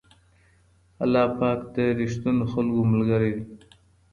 الله پاک د رښتينو خلکو ملګری دی.